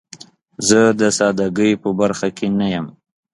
زه د سادګۍ په برخه کې نه یم.